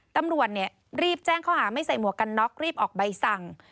ตำรวจรีบแจ้งข้อหาไม่ใส่หมวกกันน็อกรีบออกใบสั่ง